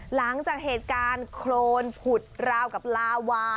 หลังจากเหตุการณ์โครนผุดราวกับลาวา